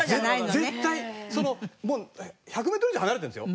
絶対その１００メートル以上離れてるんですよ。